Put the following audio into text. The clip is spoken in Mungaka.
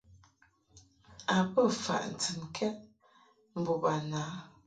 A bə faʼ ntɨnkɛd mbo bana.